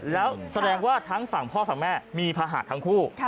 แล้วแสดงว่าทั้งฝั่งพ่อฝั่งแม่มีภาหะทั้งคู่